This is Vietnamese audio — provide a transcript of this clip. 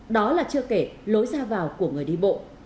đó là chưa kể lối ra vào của người đi bộ